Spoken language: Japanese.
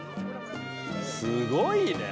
すごいね。